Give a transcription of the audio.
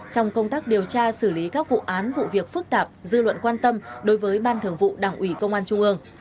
trong công tác điều tra xử lý các vụ án vụ việc phức tạp dư luận quan tâm đối với ban thường vụ đảng ủy công an trung ương